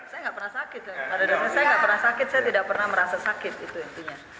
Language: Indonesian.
saya tidak pernah sakit saya tidak pernah merasa sakit itu intinya